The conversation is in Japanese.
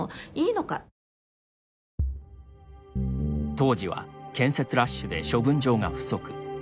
当時は建設ラッシュで処分場が不足。